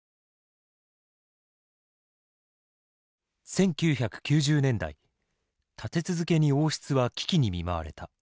１９９０年代立て続けに王室は危機に見舞われた。